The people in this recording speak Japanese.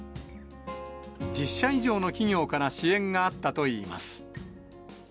１０社以上の企業から支援があったといいます。